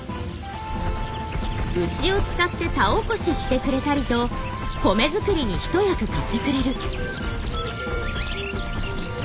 牛を使って田起こししてくれたりと米作りに一役買ってくれる。